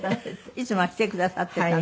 いつもは来てくださっていたの？